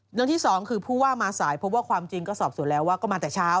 เรื่องที่สองคือผู้ว่ามาสายพบว่าความจริงก็สอบส่วนแล้วว่าก็มาแต่เช้า